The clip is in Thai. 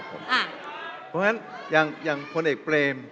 เชิญค่ะอ่าเพราะฉะนั้นอย่างคนเอกเปรม